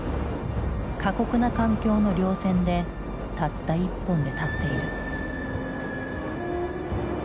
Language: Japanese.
過酷な環境の稜線でたった１本で立っている。